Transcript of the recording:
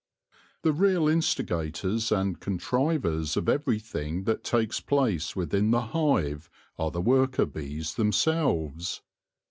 The real instigators and contrivers of everything that takes place within the hive are the worker bees themselves.